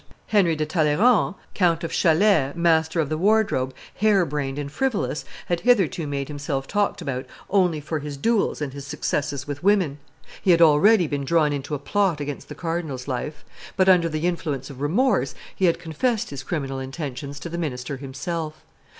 Henry de Talleyrand, Count of Chalais, master of the wardrobe, hare brained and frivolous, had hitherto made himself talked about only for his duels and his successes with women. He had already been drawn into a plot against the cardinal's life; but, under the influence of remorse, he had confessed his criminal intentions to the minister himself.